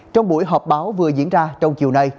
trong buổi họp báo vừa diễn ra trong chiều nay